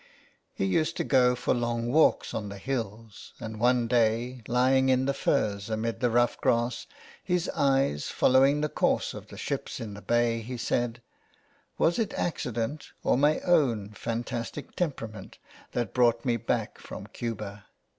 He used to go for long walks on the hills, and one day, lying in the furze amid the rough grass, his eyes following the course of the ships in the bay, he said :'' Was it accident or my own fantastic temperament that brought me back from Cuba